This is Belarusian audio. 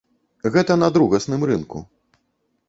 Гэта на другасным рынку.